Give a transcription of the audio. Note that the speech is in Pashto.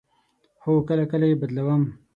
هو، کله کله یی بدلوم